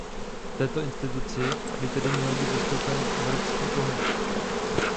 V této instituci by tedy měl být zastoupen evropský pohled.